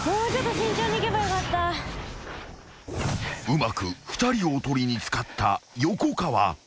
［うまく２人をおとりに使った横川］